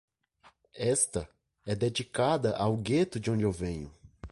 Esta é dedicada ao gueto de onde eu venho.